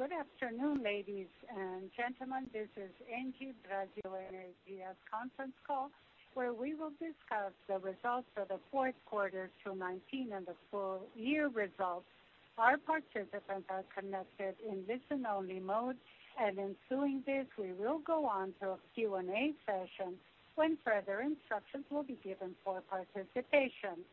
Good afternoon, ladies and gentlemen. This is ENGIE Brasil Energia's conference call, where we will discuss the results of the fourth quarter through 2019 and the full year results. Our participants are connected in listen-only mode, and in doing this, we will go on to a Q&A session when further instructions will be given for participation.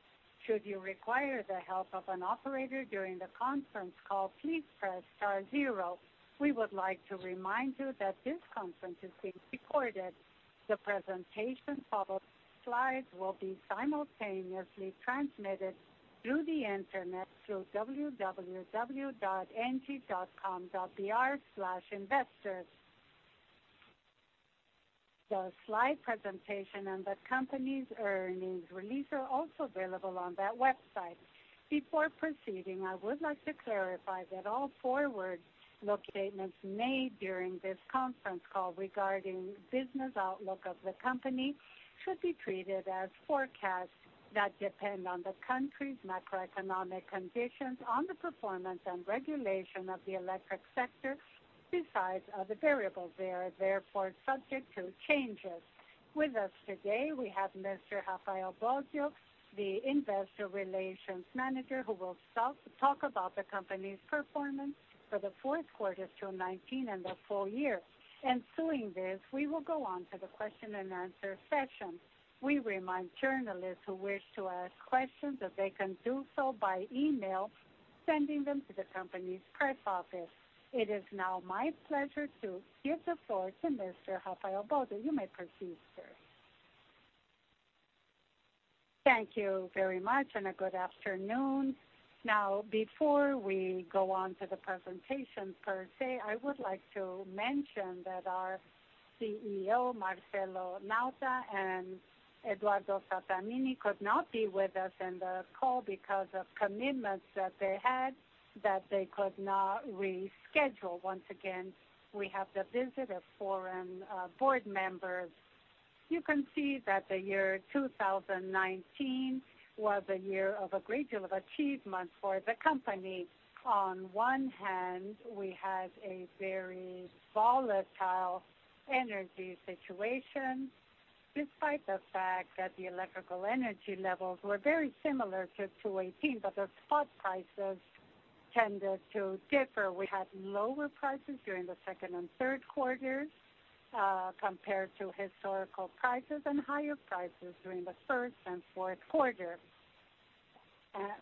Should you require the help of an operator during the conference call, please press star zero. We would like to remind you that this conference is being recorded. The presentation follow-up slides will be simultaneously transmitted through the Internet through www.engie.com.br/investors. The slide presentation and the company's earnings release are also available on that website. Before proceeding, I would like to clarify that all forward statements made during this conference call regarding the business outlook of the company should be treated as forecasts that depend on the country's macroeconomic conditions, on the performance and regulation of the electric sector, besides other variables that are therefore subject to changes. With us today, we have Mr. Rafael Bósio, the Investor Relations Manager, who will talk about the company's performance for the fourth quarter through 2019 and the full year. In doing this, we will go on to the question and answer session. We remind journalists who wish to ask questions that they can do so by email, sending them to the company's press office. It is now my pleasure to give the floor to Mr. Rafael Bósio. You may proceed, sir. Thank you very much, and a good afternoon. Now, before we go on to the presentation per se, I would like to mention that our CEO, Marcelo Nauta, and Eduardo Sattamini could not be with us in the call because of commitments that they had that they could not reschedule. Once again, we have the visit of foreign board members. You can see that the year 2019 was a year of a great deal of achievement for the company. On one hand, we had a very volatile energy situation despite the fact that the electrical energy levels were very similar to 2018, but the spot prices tended to differ. We had lower prices during the second and third quarters compared to historical prices and higher prices during the first and fourth quarters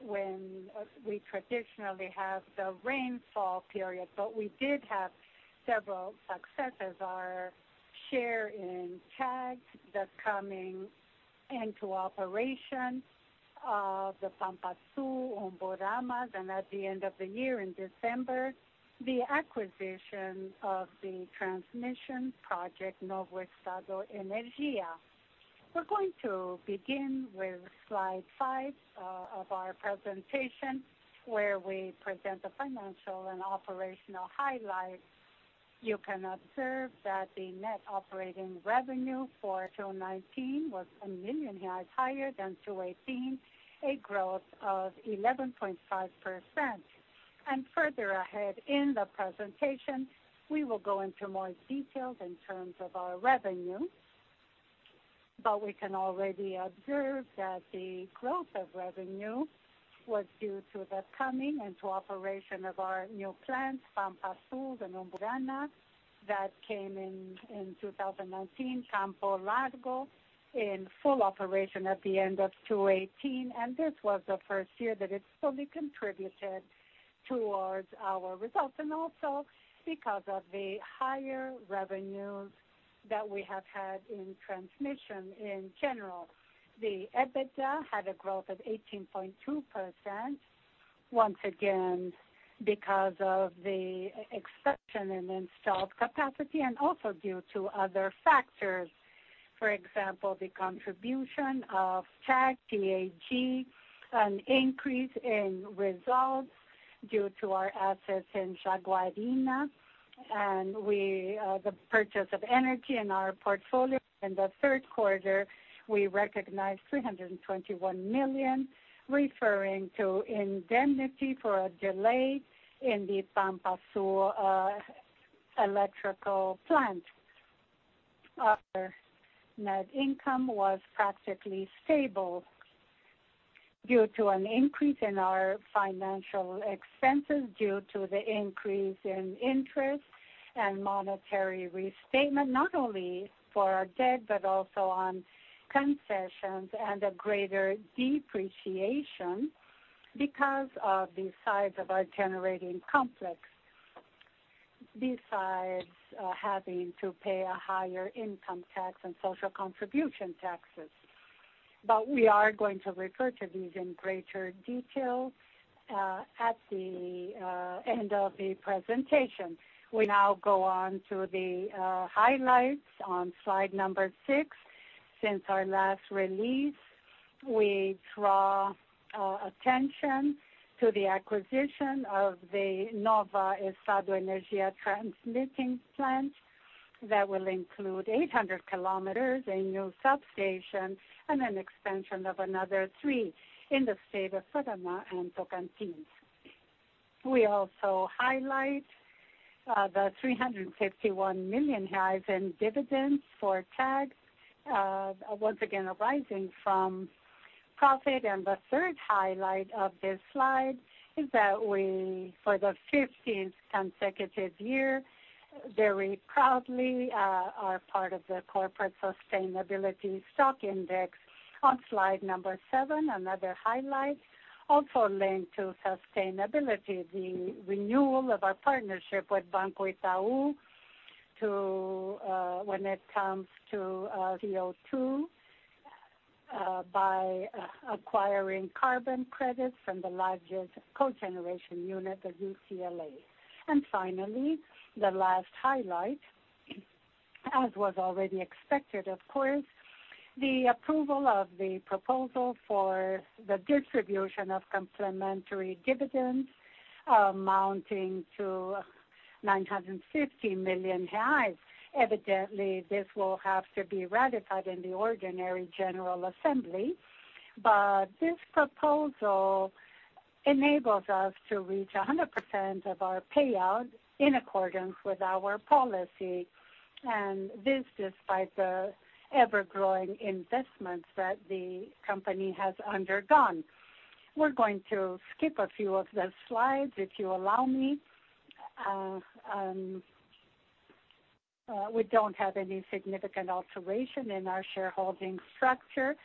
when we traditionally have the rainfall period. But we did have several successes: our share in TAG that's coming into operation, the Pampa Sul, Umburamas, and at the end of the year, in December, the acquisition of the transmission project Nova Estado Energía. We're going to begin with slide five of our presentation, where we present the financial and operational highlights. You can observe that the net operating revenue for 2019 was a million higher than 2018, a growth of 11.5%. And further ahead in the presentation, we will go into more detail in terms of our revenue, but we can already observe that the growth of revenue was due to the coming into operation of our new plants, Pampa Sul and Umburamas, that came in 2019, Campo Largo, in full operation at the end of 2018. And this was the first year that it fully contributed towards our results. And also, because of the higher revenues that we have had in transmission in general, the EBITDA had a growth of 18.2%. Once again, because of the expansion in installed capacity and also due to other factors, for example, the contribution of TAG, TAG, an increase in results due to our assets in Jaguarina, and the purchase of energy in our portfolio. In the third quarter, we recognized 321 million, referring to indemnity for a delay in the Pampa Sul electrical plant. Our net income was practically stable due to an increase in our financial expenses due to the increase in interest and monetary restatement, not only for our debt but also on concessions and a greater depreciation because of the size of our generating complex, besides having to pay a higher income tax and social contribution taxes. We are going to refer to these in greater detail at the end of the presentation. We now go on to the highlights on slide number six. Since our last release, we draw attention to the acquisition of the Nova Estado Energia transmitting plant that will include 800 kilometers, a new substation, and an expansion of another three in the state of Paraná and Tocantins. We also highlight the 351 million in dividends for TAG, once again arising from profit. And the third highlight of this slide is that we, for the 15th consecutive year, very proudly are part of the Corporate Sustainability Stock Index. On slide number seven, another highlight also linked to sustainability, the renewal of our partnership with Banco Itaú when it comes to CO2 by acquiring carbon credits from the largest cogeneration unit, the UCLA. And finally, the last highlight, as was already expected, of course, the approval of the proposal for the distribution of complimentary dividends amounting to 950 million reais. Evidently, this will have to be ratified in the ordinary General Assembly, but this proposal enables us to reach 100% of our payout in accordance with our policy, and this despite the ever-growing investments that the company has undergone. We're going to skip a few of the slides, if you allow me. We don't have any significant alteration in our shareholding structure.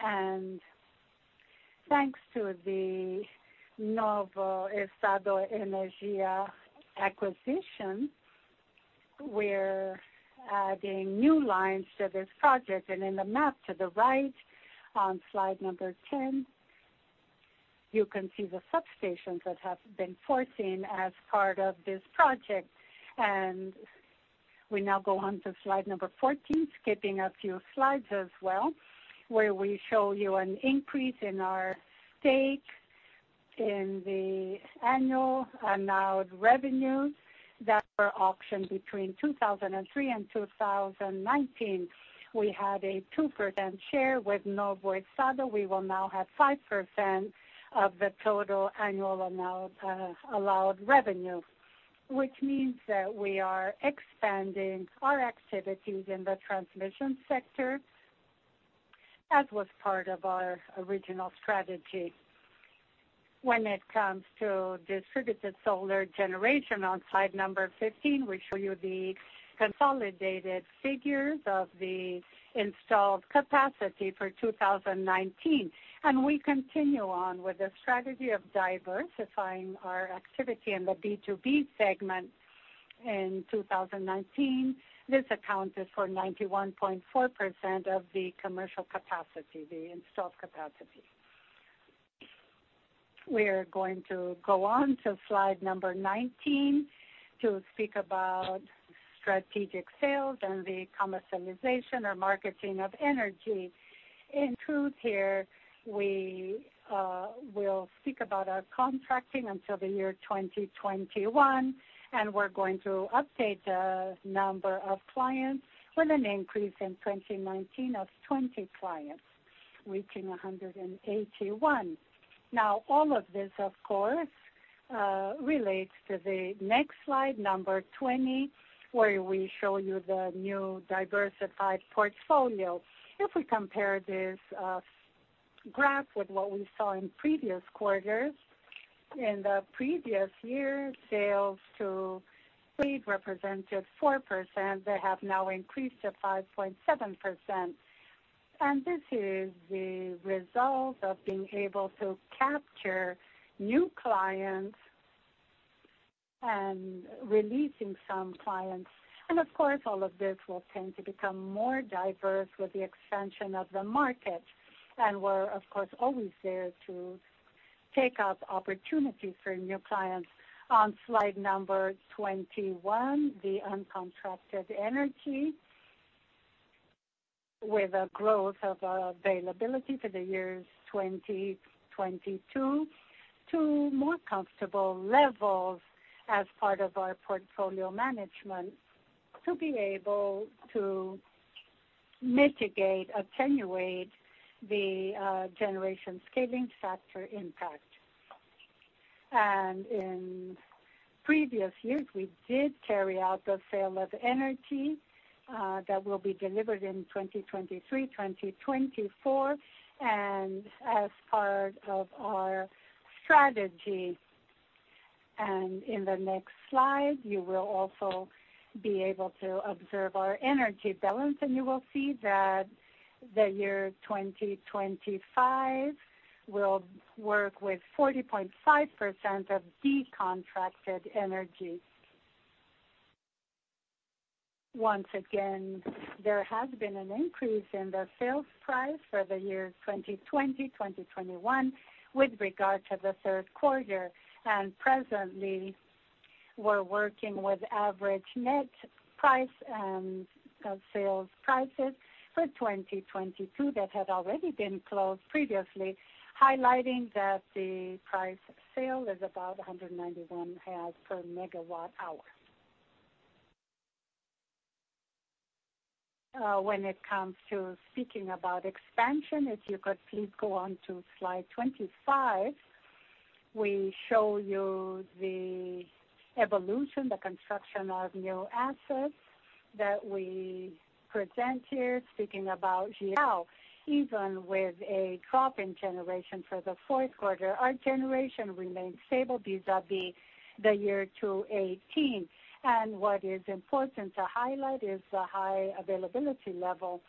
And thanks to the Nova Estado Energia acquisition, we're adding new lines to this project. And in the map to the right, on slide number 10, you can see the substations that have been foreseen as part of this project. And we now go on to slide number 14, skipping a few slides as well, where we show you an increase in our stake in the annual allowed revenues that were auctioned between 2003 and 2019. We had a 2% share with Nova Estado. We will now have 5% of the total annual allowed revenue, which means that we are expanding our activities in the transmission sector as was part of our original strategy. When it comes to distributed solar generation, on slide number 15, we show you the consolidated figures of the installed capacity for 2019. And we continue on with the strategy of diversifying our activity in the B2B segment. In 2019, this accounted for 91.4% of the commercial capacity, the installed capacity. We're going to go on to slide number 19 to speak about strategic sales and the commercialization or marketing of energy. In truth, here we will speak about our contracting until the year 2021, and we're going to update the number of clients with an increase in 2019 of 20 clients, reaching 181. Now, all of this, of course, relates to the next slide, number 20, where we show you the new diversified portfolio. If we compare this graph with what we saw in previous quarters, in the previous year, sales to lead represented 4%. They have now increased to 5.7%. This is the result of being able to capture new clients and releasing some clients. Of course, all of this will tend to become more diverse with the expansion of the market. We're, of course, always there to take up opportunities for new clients. On slide number 21, the uncontracted energy with a growth of availability for the year 2022 to more comfortable levels as part of our portfolio management to be able to mitigate, attenuate the generation scaling factor impact. And in previous years, we did carry out the sale of energy that will be delivered in 2023, 2024, and as part of our strategy. And in the next slide, you will also be able to observe our energy balance, and you will see that the year 2025 will work with 40.5% of decontracted energy. Once again, there has been an increase in the sales price for the year 2020, 2021, with regard to the third quarter. And presently, we're working with average net price and sales prices for 2022 that had already been closed previously, highlighting that the price sale is about 191 reais per megawatt hour. When it comes to speaking about expansion, if you could please go on to slide 25, we show you the evolution, the construction of new assets that we present here, speaking about now, even with a drop in generation for the fourth quarter, our generation remains stable vis-à-vis the year 2018. What is important to highlight is the high availability level,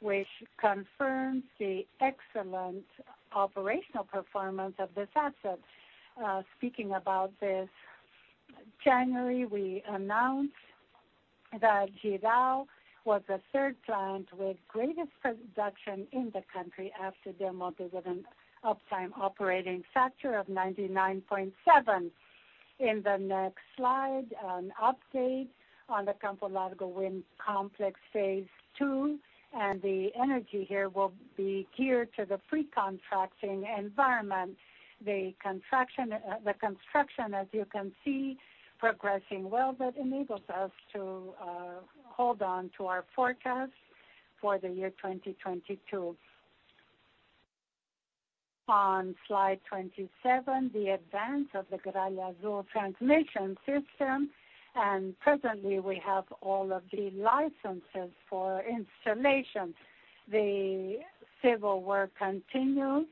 which confirms the excellent operational performance of this asset. Speaking about this, in January, we announced that Jirau was the third plant with greatest production in the country after demo with an uptime operating factor of 99.7%. In the next slide, an update on the Campo Largo wind complex phase two, and the energy here will be geared to the pre-contracting environment. The construction, as you can see, is progressing well, but enables us to hold on to our forecast for the year 2022. On slide 27, the advance of the Gralha Azul transmission system, and presently, we have all of the licenses for installation. The civil work continues,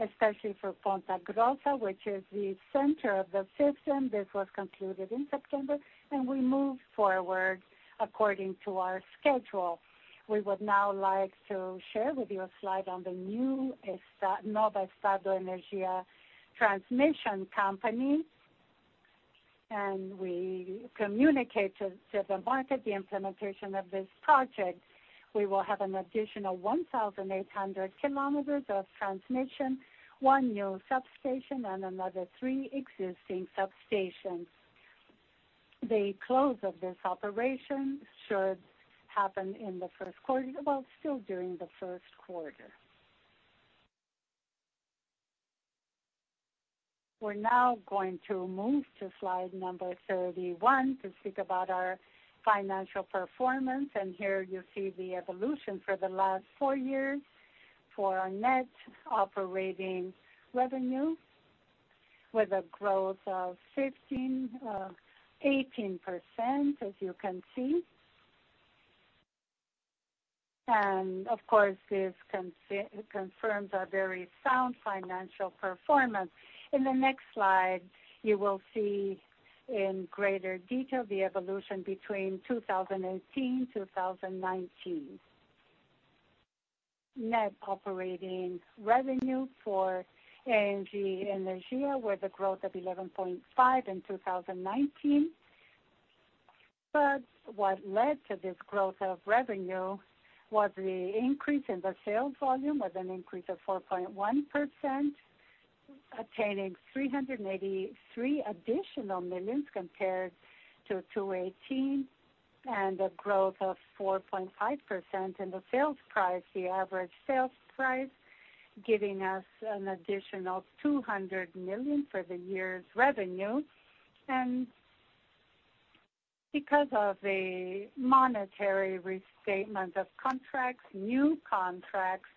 especially for Ponta Grossa, which is the center of the system. This was concluded in September, and we moved forward according to our schedule. We would now like to share with you a slide on the new Nova Estado Energia transmission company. And we communicated to the market the implementation of this project. We will have an additional 1,800 kilometers of transmission, one new substation, and another three existing substations. The close of this operation should happen in the first quarter, well, still during the first quarter. We're now going to move to slide number 31 to speak about our financial performance. And here you see the evolution for the last four years for our net operating revenue with a growth of 18%, as you can see. And of course, this confirms our very sound financial performance. In the next slide, you will see in greater detail the evolution between 2018 and 2019. Net operating revenue for ENGIE Energia with a growth of 11.5% in 2019. But what led to this growth of revenue was the increase in the sales volume with an increase of 4.1%, attaining 383 additional millions compared to 2018, and a growth of 4.5% in the sales price, the average sales price, giving us an additional 200 million for the year's revenue. And because of the monetary restatement of contracts, new contracts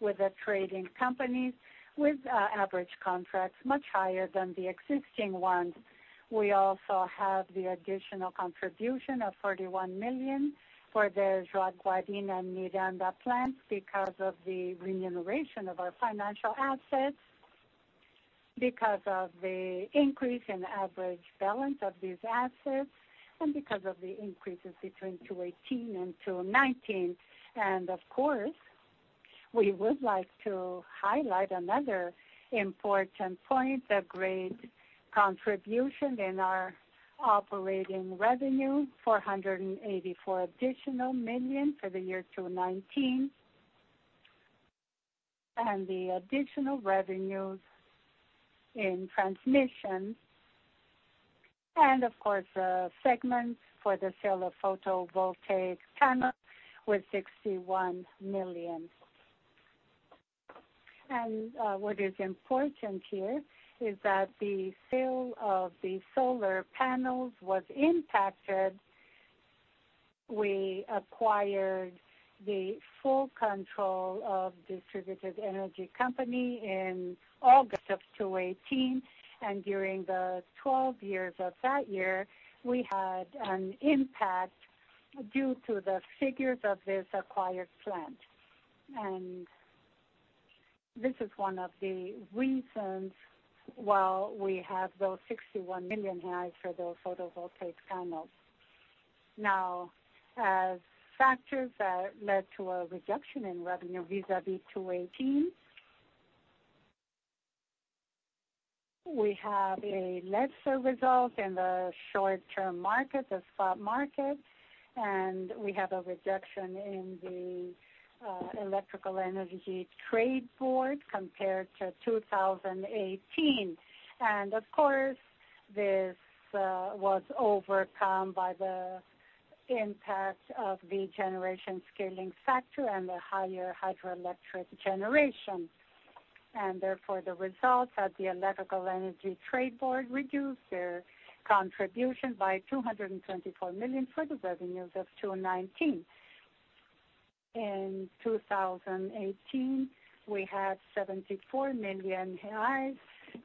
with the trading companies, with average contracts much higher than the existing ones, we also have the additional contribution of 41 million for the Jaguarina Miranda plants because of the remuneration of our financial assets, because of the increase in average balance of these assets, and because of the increases between 2018 and 2019. And of course, we would like to highlight another important point, the great contribution in our operating revenue, 484 additional million for the year 2019, and the additional revenues in transmission. And of course, the segment for the sale of photovoltaic panels was BRL 61 million. And what is important here is that the sale of the solar panels was impacted. We acquired the full control of distributed energy company in August of 2018. And during the 12 years of that year, we had an impact due to the figures of this acquired plant. And this is one of the reasons why we have those 61 million reais for those photovoltaic panels. Now, as factors that led to a reduction in revenue vis-à-vis 2018, we have a lesser result in the short-term market, the spot market, and we have a reduction in the electrical energy trade board compared to 2018. And of course, this was overcome by the impact of the generation scaling factor and the higher hydroelectric generation. And therefore, the results at the electrical energy trade board reduced their contribution by 224 million for the revenues of 2019. In 2018, we had 74 million reais,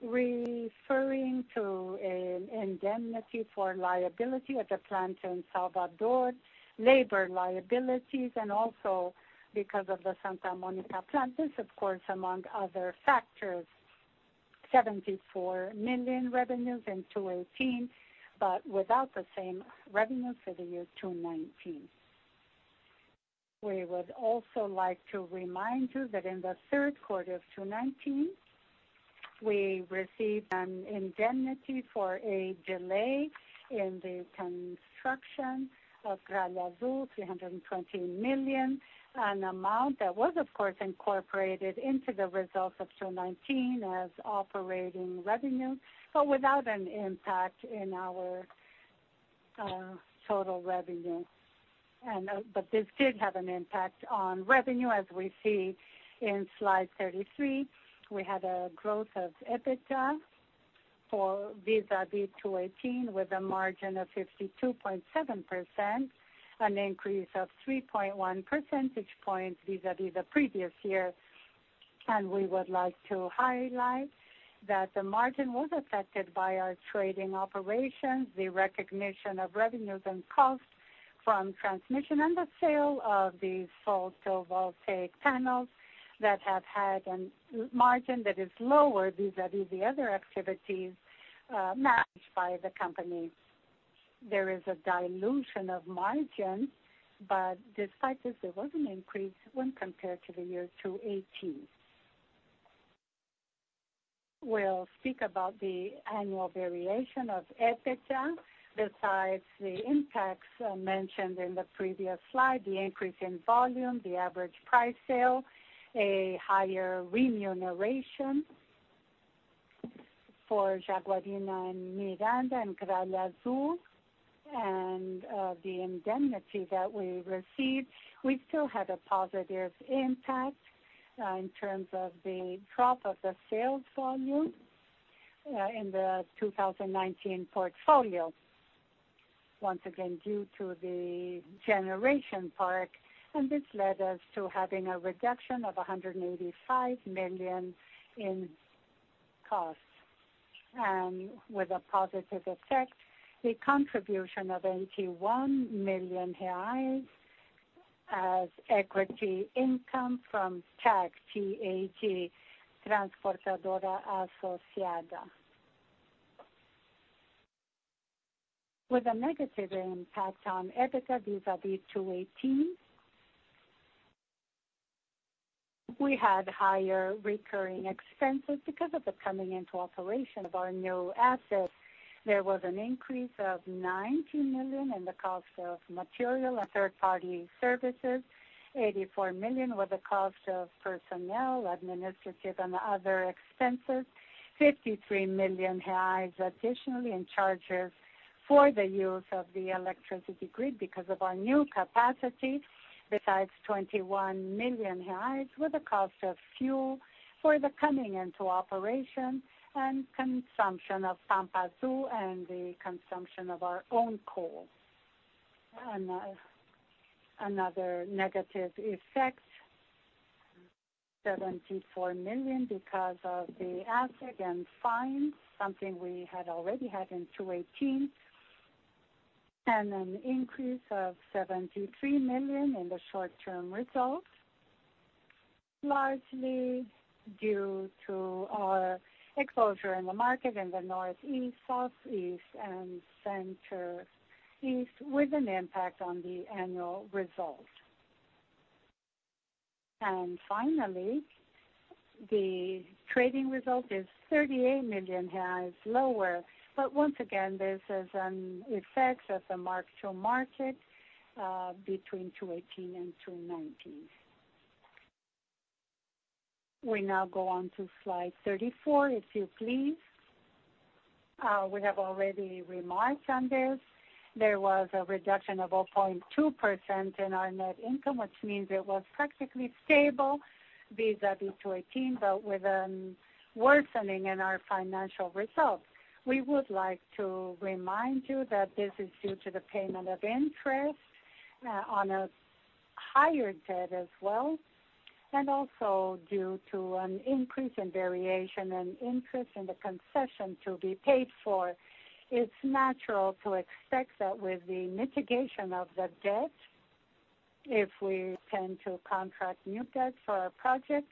referring to an indemnity for liability at the plant in Salvador, labor liabilities, and also because of the Santa Monica plant. This is, of course, among other factors, 74 million revenues in 2018, but without the same revenues for the year 2019. We would also like to remind you that in the third quarter of 2019, we received an indemnity for a delay in the construction of Gralha Azul, 320 million, an amount that was, of course, incorporated into the results of 2019 as operating revenue, but without an impact in our total revenue. But this did have an impact on revenue, as we see in slide 33. We had a growth of EBITDA vis-à-vis 2018 with a margin of 52.7%, an increase of 3.1 percentage points vis-à-vis the previous year. And we would like to highlight that the margin was affected by our trading operations, the recognition of revenues and costs from transmission, and the sale of these photovoltaic panels that have had a margin that is lower vis-à-vis the other activities managed by the company. There is a dilution of margins, but despite this, there was an increase when compared to the year 2018. We'll speak about the annual variation of EBITDA besides the impacts mentioned in the previous slide, the increase in volume, the average price sale, a higher remuneration for Jaguarina Miranda and Gralha Azul, and the indemnity that we received. We still had a positive impact in terms of the drop of the sales volume in the 2019 portfolio, once again due to the generation park. And this led us to having a reduction of 185 million in costs. And with a positive effect, the contribution of 81 million reais as equity income from TAG, T-A-G, Transportadora Associada. With a negative impact on EBITDA vis-à-vis 2018, we had higher recurring expenses because of the coming into operation of our new assets. There was an increase of 90 million in the cost of material, third-party services, 84 million with the cost of personnel, administrative, and other expenses, 53 million reais additionally in charges for the use of the electricity grid because of our new capacity besides 21 million reais with the cost of fuel for the coming into operation and consumption of Pampa Sul and the consumption of our own coal. And another negative effect, 74 million because of the asset and fines, something we had already had in 2018, and an increase of 73 million in the short-term results, largely due to our exposure in the market in the Northeast, Southeast, and Centereast, with an impact on the annual results. And finally, the trading result is 38 million reais lower, but once again, this is an effect of the mark-to-market between 2018 and 2019. We now go on to slide 34, if you please. We have already remarked on this. There was a reduction of 0.2% in our net income, which means it was practically stable vis-à-vis 2018, but with a worsening in our financial results. We would like to remind you that this is due to the payment of interest on a higher debt as well, and also due to an increase in variation and interest in the concession to be paid for. It's natural to expect that with the mitigation of the debt, if we tend to contract new debt for our project,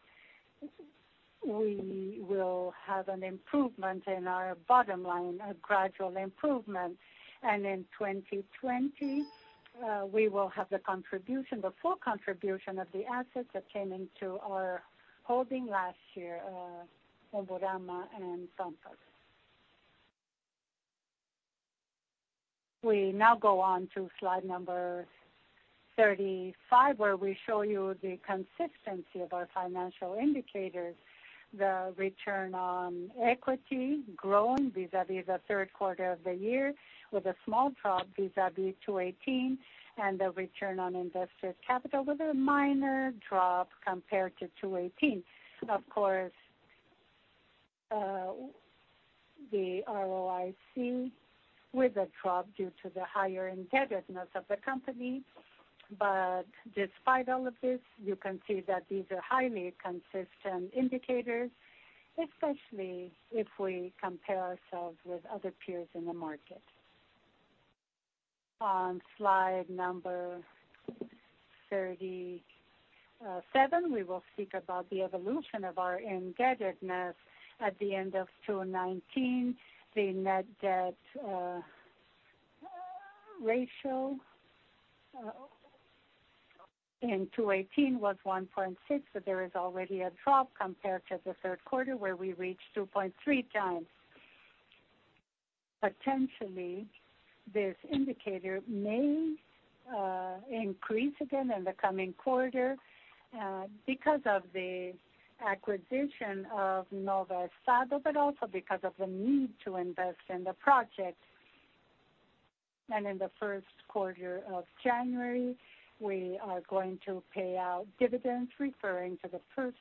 we will have an improvement in our bottom line, a gradual improvement. And in 2020, we will have the contribution, the full contribution of the assets attaining to our holding last year, Almirante and Santos. We now go on to slide number 35, where we show you the consistency of our financial indicators, the return on equity growing vis-à-vis the third quarter of the year, with a small drop vis-à-vis 2018, and the return on invested capital with a minor drop compared to 2018. Of course, the ROIC with a drop due to the higher indebtedness of the company. But despite all of this, you can see that these are highly consistent indicators, especially if we compare ourselves with other peers in the market. On slide number 37, we will speak about the evolution of our indebtedness. At the end of 2019, the net debt ratio in 2018 was 1.6, but there is already a drop compared to the third quarter, where we reached 2.3 times. Potentially, this indicator may increase again in the coming quarter because of the acquisition of Nova Estado, but also because of the need to invest in the project. And in the first quarter of January, we are going to pay out dividends, referring to the first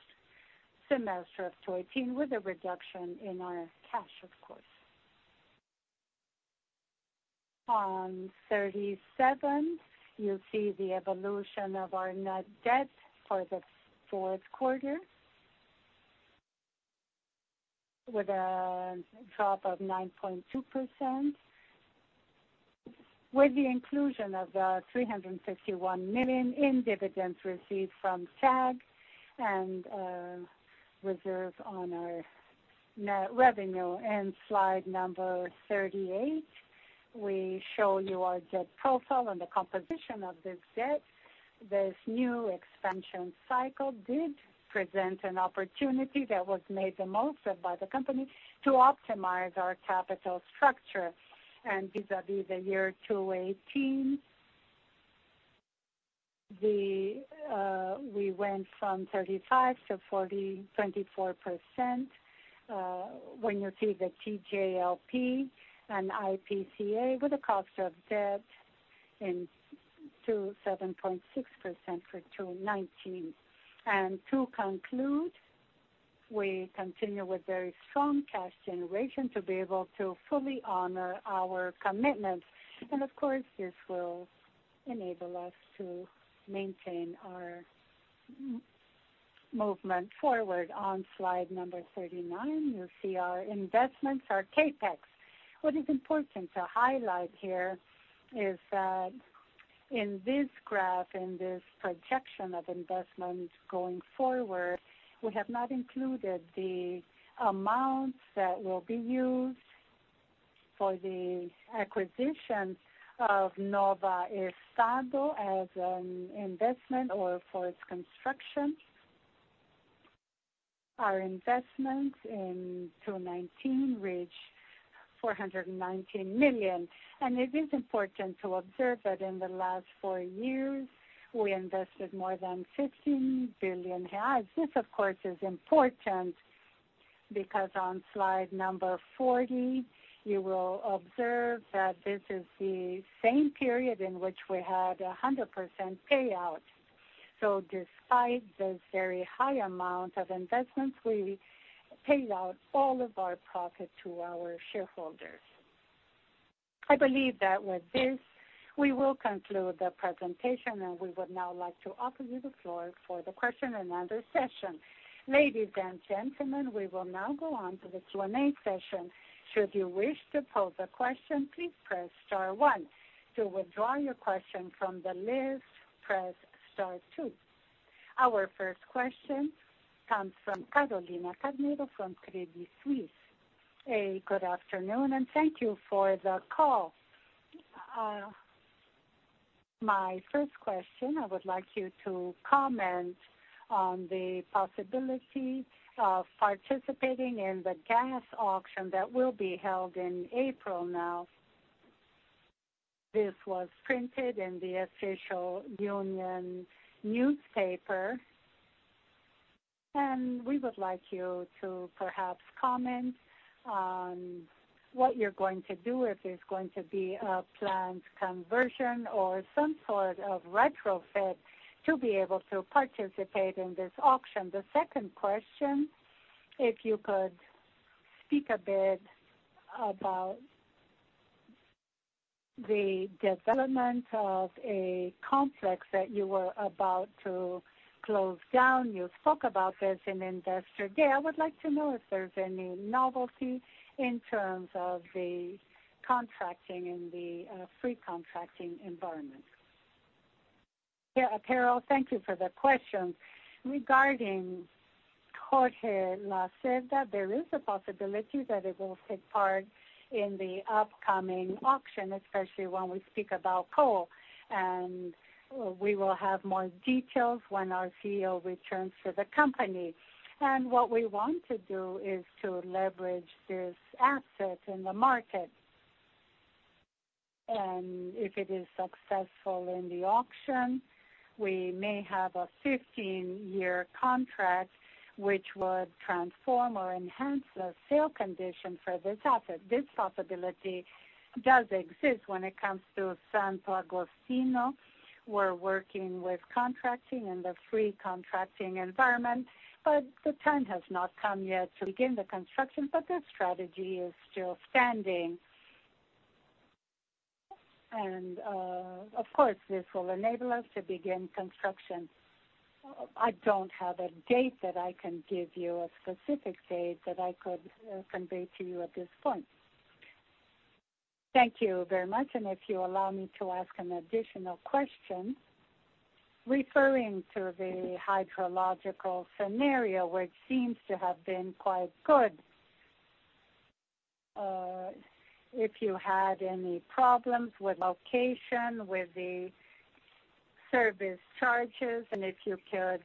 semester of 2018, with a reduction in our cash, of course. On slide 37, you'll see the evolution of our net debt for the fourth quarter, with a drop of 9.2%, with the inclusion of the 351 million in dividends received from TAG and reserves on our net revenue. In slide number 38, we show you our debt profile and the composition of this debt. This new expansion cycle did present an opportunity that was made the most by the company to optimize our capital structure. And vis-à-vis the year 2018, we went from 35% to 40.24%. When you see the TJLP and IPCA with a cost of debt in 2019, 7.6% for 2019. And to conclude, we continue with very strong cash generation to be able to fully honor our commitments. And of course, this will enable us to maintain our movement forward. On slide number 39, you see our investments, our CapEx. What is important to highlight here is that in this graph, in this projection of investment going forward, we have not included the amounts that will be used for the acquisition of Nova Estado as an investment or for its construction. Our investments in 2019 reached 419 million. And it is important to observe that in the last four years, we invested more than 15 billion reais. This, of course, is important because on slide number 40, you will observe that this is the same period in which we had 100% payout. So despite this very high amount of investments, we paid out all of our profit to our shareholders. I believe that with this, we will conclude the presentation, and we would now like to offer you the floor for the question and answer session. Ladies and gentlemen, we will now go on to the Q&A session. Should you wish to pose a question, please press star one. To withdraw your question from the list, press star two. Our first question comes from Carolina Carneiro from Credit Suisse. A good afternoon, and thank you for the call. My first question, I would like you to comment on the possibility of participating in the gas auction that will be held in April now. This was printed in the official Union newspaper, and we would like you to perhaps comment on what you're going to do, if there's going to be a planned conversion or some sort of retrofit to be able to participate in this auction. The second question, if you could speak a bit about the development of a complex that you were about to close down. You spoke about this in investor day. I would like to know if there's any novelty in terms of the contracting and the free contracting environment. Yeah, Apparel, thank you for the question. Regarding Jorge Lacerda, there is a possibility that it will take part in the upcoming auction, especially when we speak about coal. And we will have more details when our CEO returns to the company. And what we want to do is to leverage this asset in the market. And if it is successful in the auction, we may have a 15-year contract, which would transform or enhance the sale conditions for this asset. This possibility does exist when it comes to Santo Agostinho. We're working with contracting in the free contracting environment, but the time has not come yet to begin the construction, but this strategy is still standing. And of course, this will enable us to begin construction. I don't have a date that I can give you, a specific date that I could convey to you at this point. Thank you very much. And if you allow me to ask an additional question referring to the hydrological scenario, which seems to have been quite good, if you had any problems with location, with the service charges, and if you could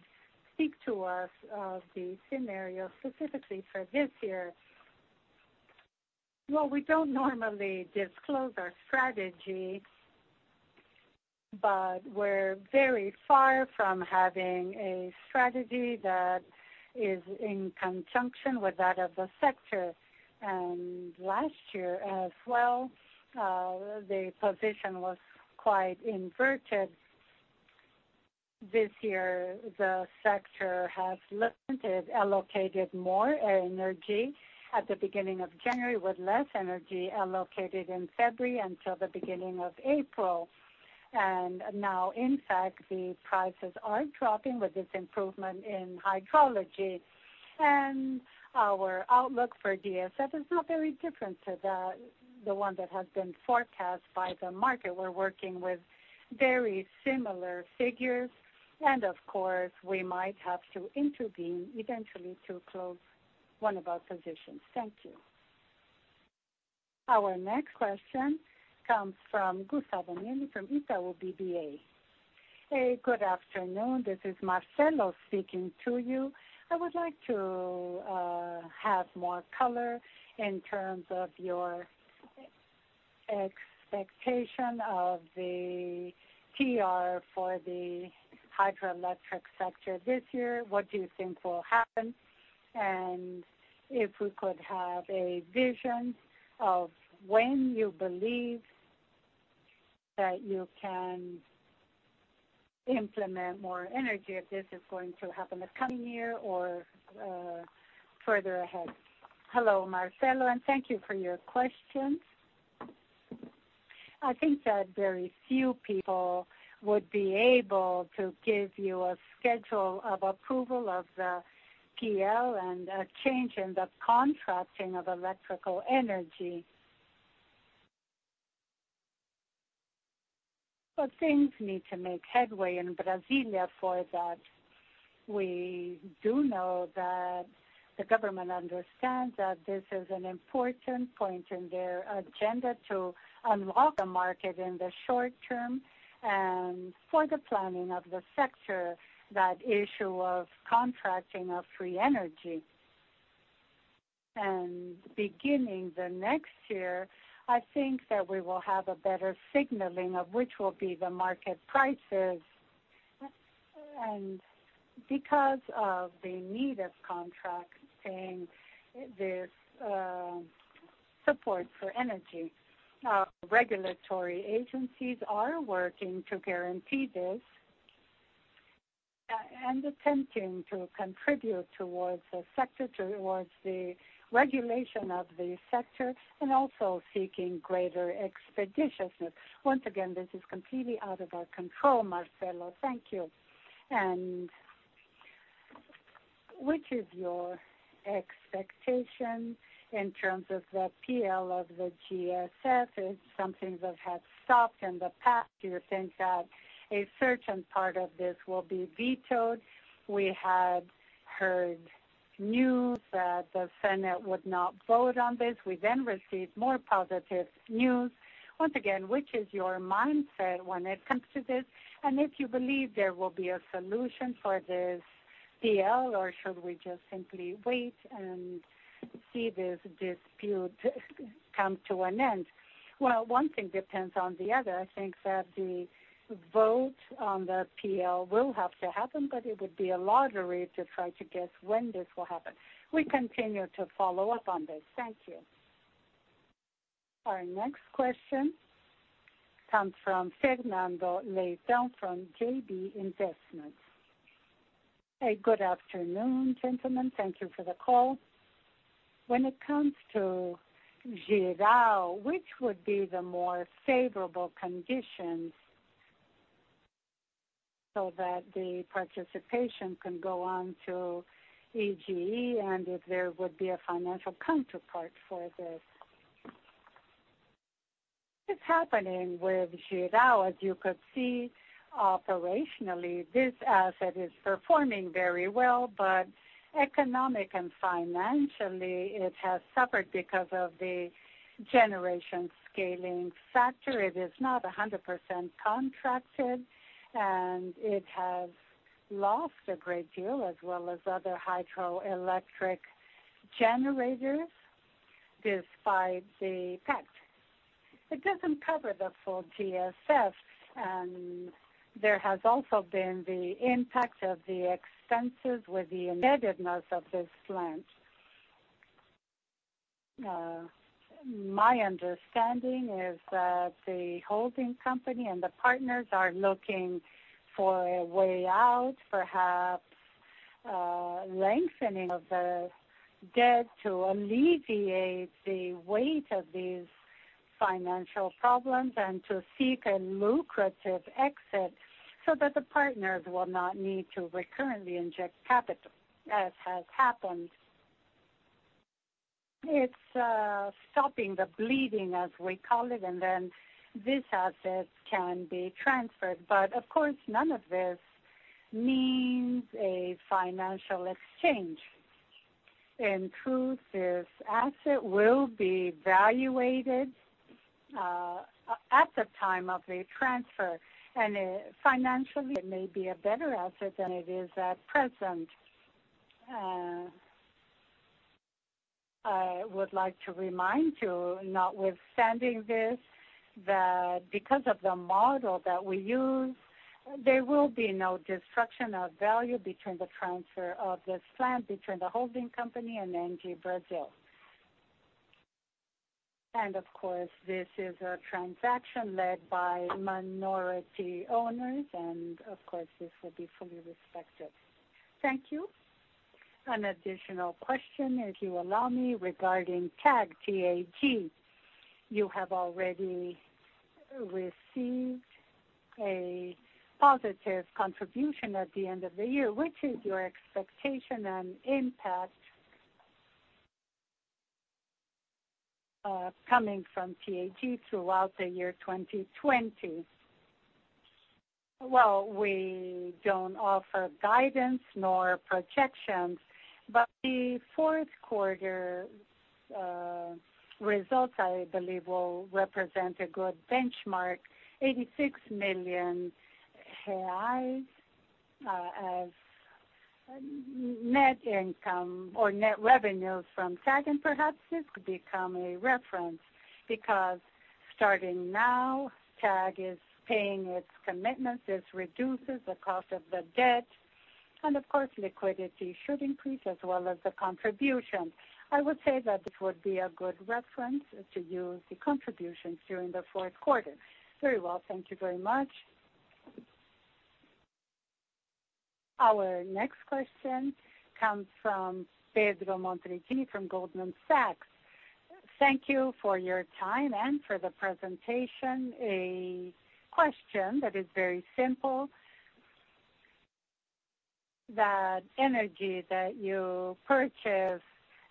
speak to us of the scenario specifically for this year. Well, we don't normally disclose our strategy, but we're very far from having a strategy that is in conjunction with that of the sector. And last year as well, the position was quite inverted. This year, the sector has allocated more energy at the beginning of January, with less energy allocated in February until the beginning of April. And now, in fact, the prices are dropping with this improvement in hydrology. And our outlook for GSF is not very different to the one that has been forecast by the market. We're working with very similar figures. And of course, we might have to intervene eventually to close one of our positions. Thank you. Our next question comes from Gustavo Neri from Itaú BBA. A good afternoon. This is Marcelo speaking to you. I would like to have more color in terms of your expectation of the PR for the hydroelectric sector this year. What do you think will happen? And if we could have a vision of when you believe that you can implement more energy, if this is going to happen the coming year or further ahead. Hello, Marcelo, and thank you for your question. I think that very few people would be able to give you a schedule of approval of the PL and a change in the contracting of electrical energy. But things need to make headway in Brasília for that. We do know that the government understands that this is an important point in their agenda to unlock the market in the short term and for the planning of the sector, that issue of contracting of free energy. And beginning the next year, I think that we will have a better signaling of which will be the market prices. And because of the need of contracting this support for energy, regulatory agencies are working to guarantee this and attempting to contribute towards the sector, towards the regulation of the sector, and also seeking greater expeditiousness. Once again, this is completely out of our control, Marcelo. Thank you. And which is your expectation in terms of the PL of the GSF? It's something that has stopped in the past. Do you think that a certain part of this will be vetoed? We had heard news that the Senate would not vote on this. We then received more positive news. Once again, which is your mindset when it comes to this? And if you believe there will be a solution for this PL, or should we just simply wait and see this dispute come to an end? Well, one thing depends on the other. I think that the vote on the PL will have to happen, but it would be a lottery to try to guess when this will happen. We continue to follow up on this. Thank you. Our next question comes from Fernando Leão from JB Investments. A good afternoon, gentlemen. Thank you for the call. When it comes to Geral, which would be the more favorable conditions so that the participation can go on to EGE, and if there would be a financial counterpart for this? It's happening with Geral. As you could see, operationally, this asset is performing very well, but economically and financially, it has suffered because of the generation scaling factor. It is not 100% contracted, and it has lost a great deal, as well as other hydroelectric generators, despite the fact. It doesn't cover the full GSF, and there has also been the impact of the expenses with the indebtedness of this plant. My understanding is that the holding company and the partners are looking for a way out, perhaps lengthening of the debt to alleviate the weight of these financial problems and to seek a lucrative exit so that the partners will not need to recurrently inject capital, as has happened. It's stopping the bleeding, as we call it, and then this asset can be transferred. But of course, none of this means a financial exchange. In truth, this asset will be valuated at the time of the transfer, and financially, it may be a better asset than it is at present. I would like to remind you, notwithstanding this, that because of the model that we use, there will be no destruction of value between the transfer of this plant between the holding company and ENGIE Brasil. And of course, this is a transaction led by minority owners, and of course, this will be fully respected. Thank you. An additional question, if you allow me, regarding TAG. You have already received a positive contribution at the end of the year. Which is your expectation and impact coming from TAG throughout the year 2020? Well, we don't offer guidance nor projections, but the fourth quarter results, I believe, will represent a good benchmark, 86 million reais as net income or net revenue from TAG, and perhaps this could become a reference because starting now, TAG is paying its commitments, this reduces the cost of the debt, and of course, liquidity should increase as well as the contribution. I would say that this would be a good reference to use the contributions during the fourth quarter. Very well, thank you very much. Our next question comes from Pedro Monteriggini from Goldman Sachs. Thank you for your time and for the presentation. A question that is very simple: that energy that you purchased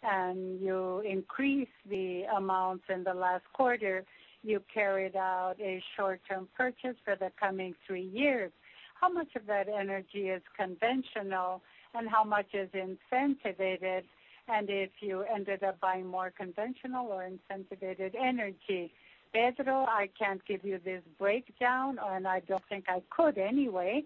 and you increased the amounts in the last quarter, you carried out a short-term purchase for the coming three years. How much of that energy is conventional, and how much is incentivized, and if you ended up buying more conventional or incentivized energy? Pedro, I can't give you this breakdown, and I don't think I could anyway.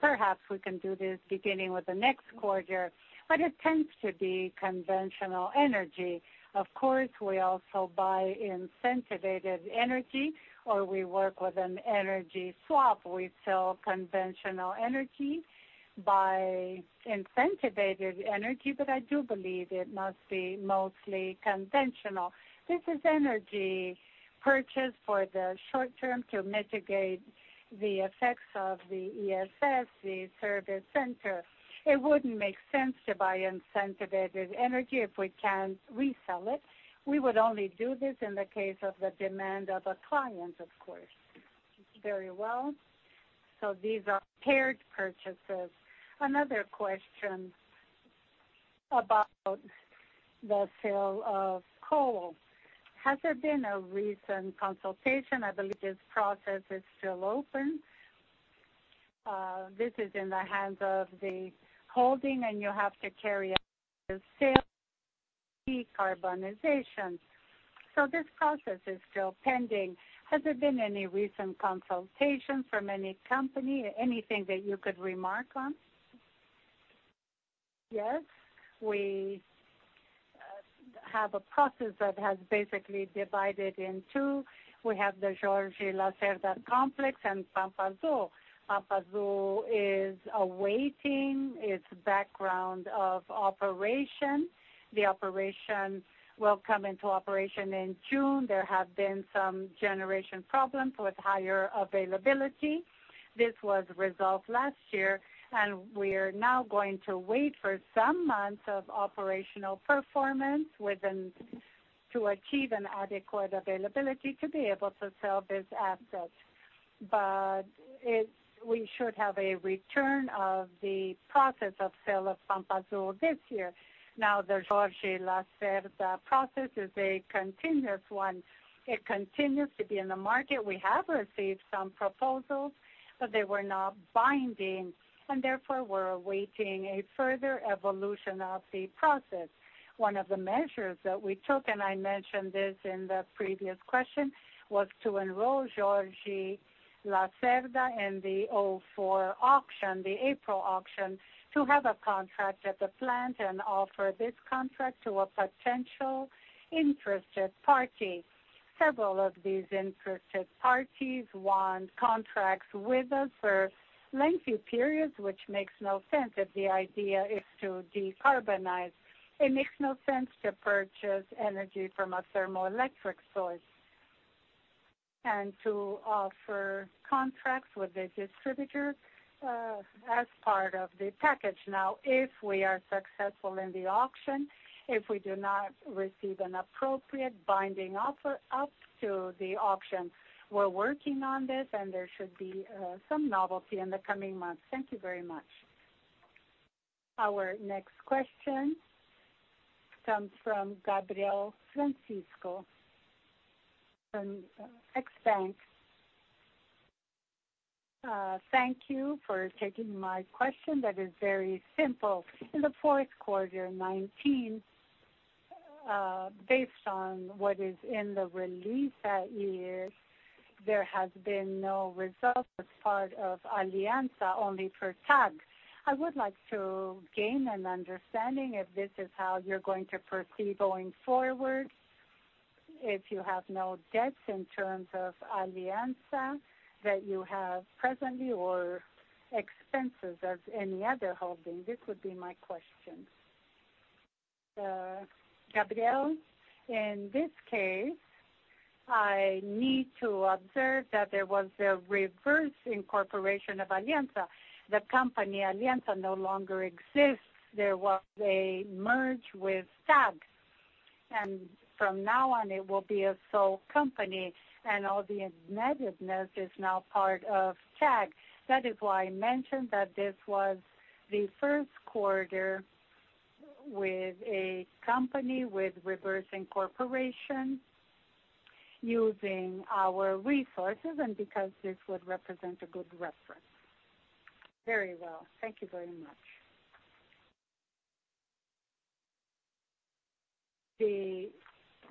Perhaps we can do this beginning with the next quarter, but it tends to be conventional energy. Of course, we also buy incentivized energy, or we work with an energy swap. We sell conventional energy by incentivized energy, but I do believe it must be mostly conventional. This is energy purchased for the short term to mitigate the effects of the ESF, the service center. It wouldn't make sense to buy incentivized energy if we can't resell it. We would only do this in the case of the demand of a client, of course. Very well. So these are paired purchases. Another question about the sale of coal. Has there been a recent consultation? I believe this process is still open. This is in the hands of the holding, and you have to carry out the sale decarbonization. So this process is still pending. Has there been any recent consultation from any company, anything that you could remark on? Yes. We have a process that has basically divided in two. We have the Jorge Lacerda complex and Pampa Sul. Pampa Sul is awaiting its background of operation. The operation will come into operation in June. There have been some generation problems with higher availability. This was resolved last year, and we are now going to wait for some months of operational performance to achieve an adequate availability to be able to sell this asset. But we should have a return of the process of sale of Pampa Sul this year. Now, the Jorge Lacerda process is a continuous one. It continues to be in the market. We have received some proposals, but they were not binding, and therefore we're awaiting a further evolution of the process. One of the measures that we took, and I mentioned this in the previous question, was to enroll Jorge Lacerda in the 04 auction, the April auction, to have a contract at the plant and offer this contract to a potential interested party. Several of these interested parties want contracts with us for lengthy periods, which makes no sense if the idea is to decarbonize. It makes no sense to purchase energy from a thermoelectric source and to offer contracts with the distributors as part of the package. Now, if we are successful in the auction, if we do not receive an appropriate binding offer up to the auction, we're working on this, and there should be some novelty in the coming months. Thank you very much. Our next question comes from Gabriel Francisco from Exbank. Thank you for taking my question. That is very simple. In the fourth quarter 2019, based on what is in the release that year, there has been no result as part of Aliança only for TAG. I would like to gain an understanding if this is how you're going to proceed going forward, if you have no debts in terms of Aliança that you have presently or expenses of any other holding. This would be my question. Gabriel, in this case, I need to observe that there was a reverse incorporation of Aliança. The company Aliança no longer exists. There was a merge with TAG, and from now on, it will be a sole company, and all the indebtedness is now part of TAG. That is why I mentioned that this was the first quarter with a company with reverse incorporation using our resources and because this would represent a good reference. Very well. Thank you very much. The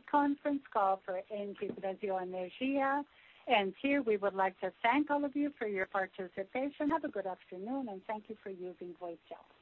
conference call for ENGIE Brasil Energia, and here we would like to thank all of you for your participation. Have a good afternoon, and thank you for using VoiceTel.